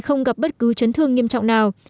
không gặp bất cứ chấn thương nghiêm trọng nào